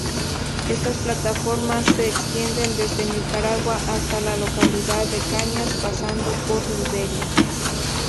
Estas plataformas se extienden desde Nicaragua hasta la localidad de Cañas, pasando por Liberia.